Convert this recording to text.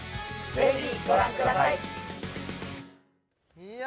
ぜひご覧くださいいや